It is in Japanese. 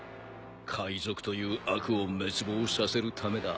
海賊という悪を滅亡させるためだ。